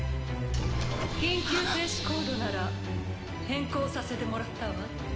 ・シューン・緊急停止コードなら変更させてもらったわ。